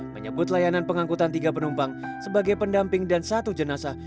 menyebut layanan pengangkutan tiga penumpang sebagai pendamping dan satu jenazah